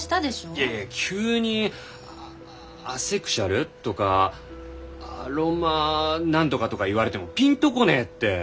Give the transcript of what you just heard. いやいや急にアアセクシュアルとかアロマ何とかとか言われてもピンと来ねえって。